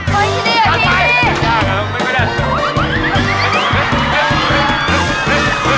กลิ่นใหญ่